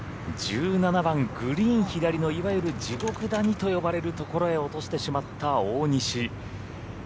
１７番グリーン左のいわゆる地獄谷と呼ばれるところへ落としてしまった大西。